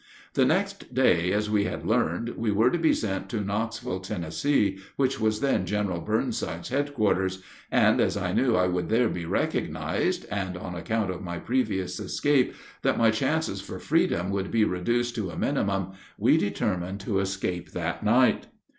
The next day, as we had learned, we were to be sent to Knoxville, Tennessee, which was then General Burnside's headquarters; and as I knew I would there be recognized, and, on account of my previous escape, that my chances for freedom would be reduced to a minimum, we determined to escape that night.